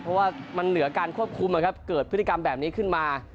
เพราะว่ามันเหลือการควบคุมเกิดพฤติกรรมแบบนี้ขึ้นมา